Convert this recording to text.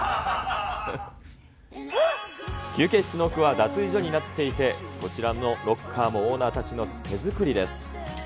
ごめん、こうなったらもう動かな休憩室の奥は脱衣所になっていて、こちらのロッカーもオーナーたちの手作りです。